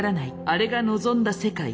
「あれが望んだ世界？